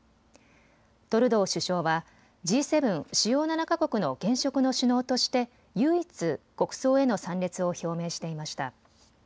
トルドー首相はＧ７・主要７か国の現職の首脳として唯一、国葬への参列を表明していました。